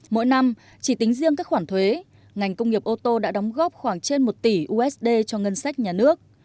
mỗi năm chỉ tính riêng các khoản thuế ngành công nghiệp ô tô đã đóng góp khoảng trên một tỷ usd cho ngân sách nhà nước